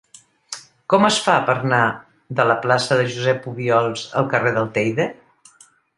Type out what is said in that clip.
Com es fa per anar de la plaça de Josep Obiols al carrer del Teide?